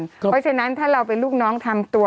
เพราะฉะนั้นถ้าเราเป็นลูกน้องทำตัว